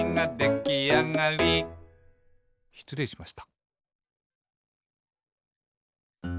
しつれいしました。